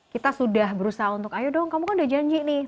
kita sudah berusaha untuk ayo dong kamu kan udah janji nih